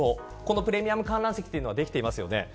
プレミアム観覧席というのができていますよね。